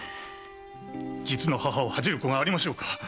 実の母を恥じる子がありましょうか？